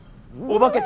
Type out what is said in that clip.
おばけ？